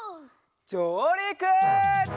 じょうりく！